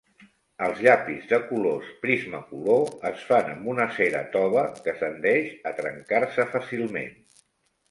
Els llapis de colors Prismacolor es fan amb una cera tova que tendeix a trencar-se fàcilment.